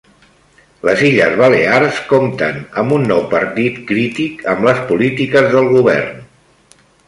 Les Illes Balears compten amb un nou partit crític amb les polítiques del govern